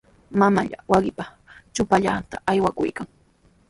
Mamallaa wawqiipa chumpallanta awakuykan.